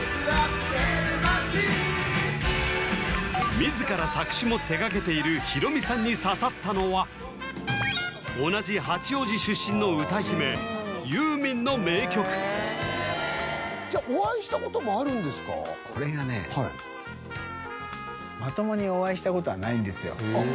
自ら作詞も手がけているヒロミさんに刺さったのは同じ八王子出身の歌姫ユーミンの名曲これがねはいまともにお会いしたことはないんですよあっ